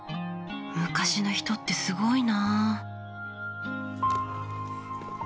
昔の人ってすごいな。